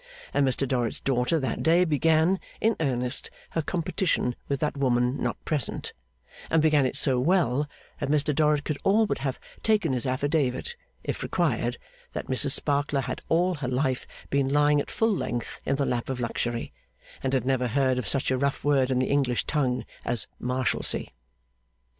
And Mr Dorrit's daughter that day began, in earnest, her competition with that woman not present; and began it so well that Mr Dorrit could all but have taken his affidavit, if required, that Mrs Sparkler had all her life been lying at full length in the lap of luxury, and had never heard of such a rough word in the English tongue as Marshalsea.